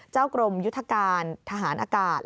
กรมยุทธการทหารอากาศ